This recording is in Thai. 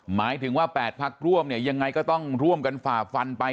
หมายถึงว่า๘พักร่วมเนี่ยยังไงก็ต้องร่วมกันฝ่าฟันไป